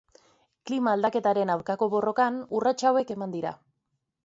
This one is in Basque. Klima aldaketaren aurkako borrokan urrats hauek eman dira.